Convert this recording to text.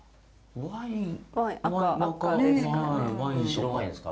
白ワインですか？